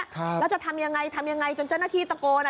แล้วจะทำอย่างไรจนเจ้าหน้าที่ตะโกน